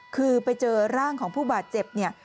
คือไปเจอร่างของผู้บาดเจ็บเนี่ย